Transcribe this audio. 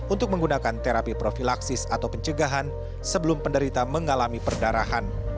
untuk menggunakan terapi profilaksis atau pencegahan sebelum penderita mengalami perdarahan